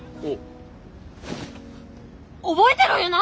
覚えてろよな！